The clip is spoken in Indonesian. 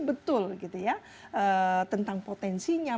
betul gitu ya tentang potensinya